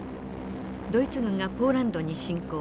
ドイツ軍がポーランドに侵攻。